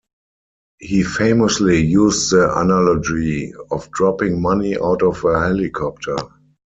He famously used the analogy of dropping money out of a helicopter.